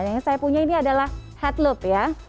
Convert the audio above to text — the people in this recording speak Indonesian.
yang saya punya ini adalah head loop ya